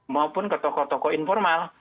mau pun ke tokoh tokoh informal